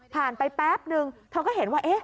ไปแป๊บนึงเธอก็เห็นว่า